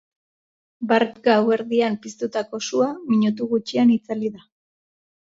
Bart gauerdian piztutako sua minutu gutxian itzali da.